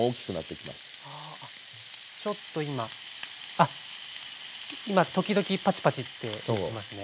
あっ今時々パチパチっていってますね。